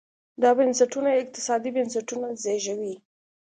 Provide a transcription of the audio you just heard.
دا بنسټونه اقتصادي بنسټونه زېږوي.